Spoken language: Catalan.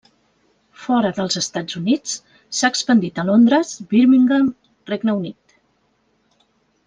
Fora dels Estats Units, s'ha expandit a Londres, Birmingham, Regne Unit.